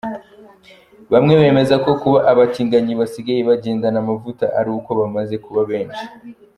Bamwe bemeza ko kuba Abatinganyi basigaye bagendana amavuta ari uko bamaze kuba benshi.